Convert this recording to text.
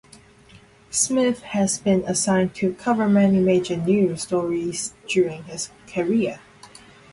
Smith has been assigned to cover many major news stories during his career.